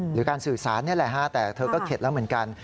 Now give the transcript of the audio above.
หรือการสื่อสารนี่แหละฮะแต่เธอก็เข็ดแล้วเหมือนกัน